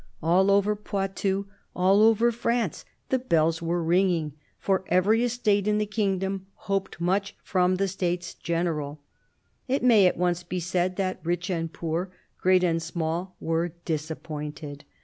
All over Poitou, all over France, the bells were ringing, for every estate in the kingdom hoped much from the States General. It may at once be said that rich and poor, great and small, were disappointed.